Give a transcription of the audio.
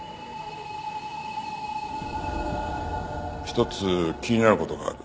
一つ気になる事がある。